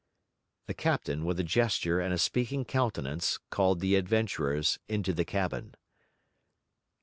The captain, with a gesture and a speaking countenance, called the adventurers into the cabin.